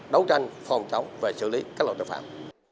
đấu tranh phòng chống và xử lý các loại tội phạm